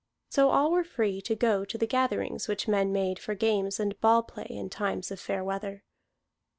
So all were free to go to the gatherings which men made for games and ball play, in times of fair weather.